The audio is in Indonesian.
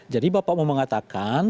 jadi bapak mau mengatakan